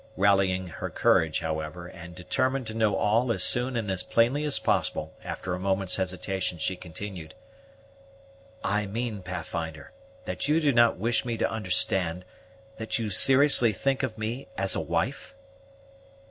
Rallying her courage, however, and determined to know all as soon and as plainly as possible, after a moment's hesitation, she continued, "I mean, Pathfinder, that you do not wish me to understand that you seriously think of me as a wife?"